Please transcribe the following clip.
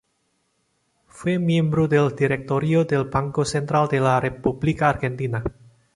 Fue miembro del directorio del Banco Central de la República Argentina.